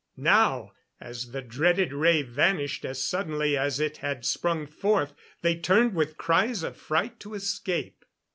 Now, as the dreaded ray vanished as suddenly as it had sprung forth, they turned with cries of fright to escape.